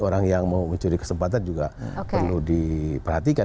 orang yang mau mencuri kesempatan juga perlu diperhatikan